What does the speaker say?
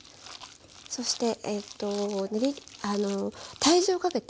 そして体重をかけて。